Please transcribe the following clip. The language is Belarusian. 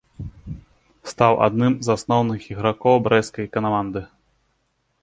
Стаў адным з асноўных ігракоў брэсцкай каманды.